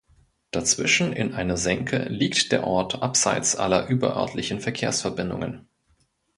Dazwischen in einer Senke liegt der Ort abseits aller überörtlichen Verkehrsverbindungen.